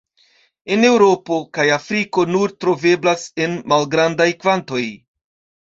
En Eŭropo kaj Afriko nur troveblas en malgrandaj kvantoj.